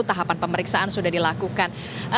tahapan pemeriksaan sudah dilakukan